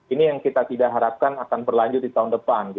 ini yang kita tidak harapkan akan berlanjut di tahun depan